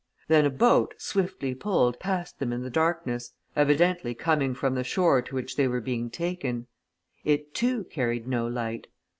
Then a boat, swiftly pulled, passed them in the darkness, evidently coming from the shore to which they were being taken: it, too, carried no light.